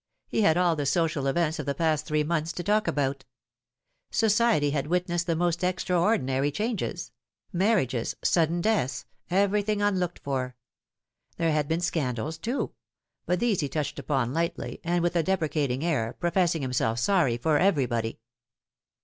He had all the social events of the past three months to talk about. Society had The Time has Come. 211 witnessed the most extraordinary changes marriages sudden deaths everything unlocked for. There had been scandals, too ; but these he touched upon lightly, and with a deprecat ing air, professing himself sorry for everybody.